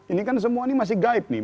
ini kan semua ini masih gaib nih